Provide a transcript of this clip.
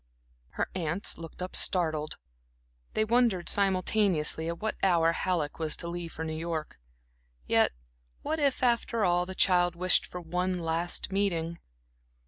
Her aunts looked up startled. They wondered simultaneously at what hour Halleck was to leave for New York. Yet what if after all the child wished for one last meeting?